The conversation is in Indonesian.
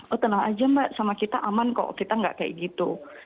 oh tenang aja mbak sama kita aman kok kita nggak kayak gitu